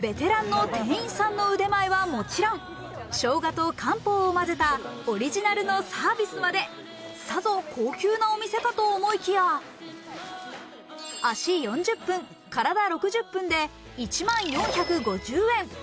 ベテランの店員さんの腕前はもちろん、生姜と漢方をまぜたオリジナルのサービスまで、さぞ高級なお店かと思いきや、足４０分、体６０分で１万４５０円。